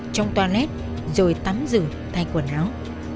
trong toilet rồi tắm rửa thay quần áo